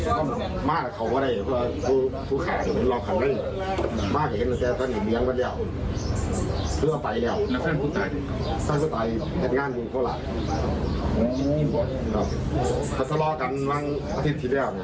ลูกที่ร้องร้านนี้มาตรงนั้น